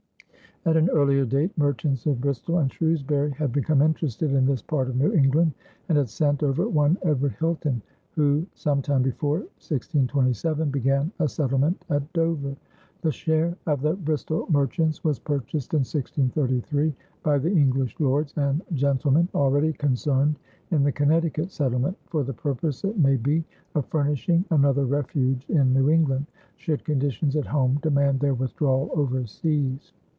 At an earlier date, merchants of Bristol and Shrewsbury had become interested in this part of New England and had sent over one Edward Hilton, who some time before 1627 began a settlement at Dover. The share of the Bristol merchants was purchased in 1633 by the English lords and gentlemen already concerned in the Connecticut settlement, for the purpose, it may be, of furnishing another refuge in New England, should conditions at home demand their withdrawal overseas.